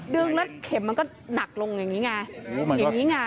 ดึงแล้วเข็มมันก็หนักลงอย่างนี้ไง